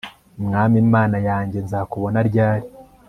mwami mana yanjye nzakubona ryari